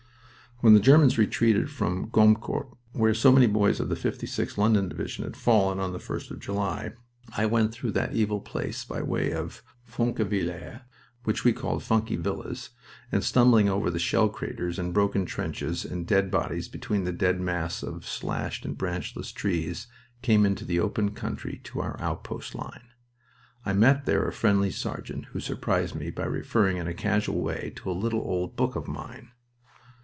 When the Germans retreated from Gommecourt, where so many boys of the 56th (London) Division had fallen on the 1st of July, I went through that evil place by way of Fonquevillers (which we called "Funky Villas"), and, stumbling over the shell craters and broken trenches and dead bodies between the dead masts of slashed and branchless trees, came into the open country to our outpost line. I met there a friendly sergeant who surprised me by referring in a casual way to a little old book of mine.